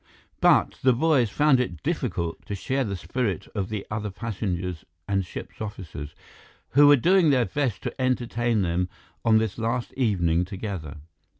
But the boys found it difficult to share the spirit of the other passengers and ship's officers, who were doing their best to entertain them on this last evening together.